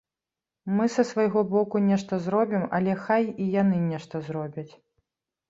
Мы са свайго боку нешта зробім, але, хай і яны нешта зробяць.